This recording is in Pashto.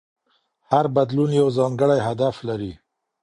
هر بدلون یو ځانګړی هدف لري.